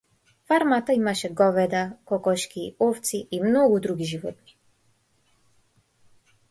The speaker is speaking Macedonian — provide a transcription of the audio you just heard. Фармата имаше говеда, кокошки, овци и многу други животни.